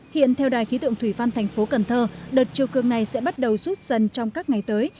hiện theo đài khí tượng thủy văn thành phố cần thơ đợt chiều cường này sẽ bắt đầu rút dần trong các ngày tới